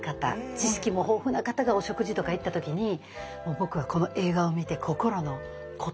知識も豊富な方がお食事とか行った時に「僕はこの映画を見て心のコトセンに」とか。